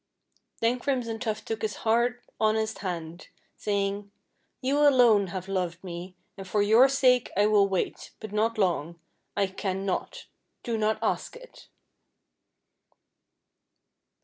Then Crimson Tuft took his hard, honest hand, saying, "you alone have loved me, and for your sake I will wait, but not long, I can not do not ask it."